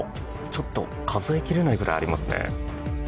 ちょっと数え切れないぐらいありますね。